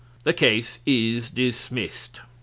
The case is dismissed."